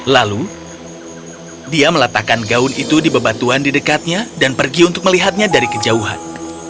lalu dia meletakkan gaun itu di bebatuan di dekatnya dan pergi untuk melihatnya dari kejauhan